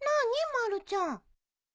まるちゃん。